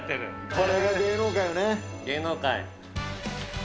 これが芸能界よね。